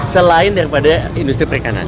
selain dari industri perikanan